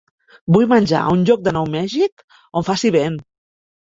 Vull menjar a un lloc de Nou Mèxic on faci vent